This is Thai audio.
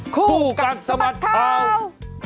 คู่กันสบัดข้าว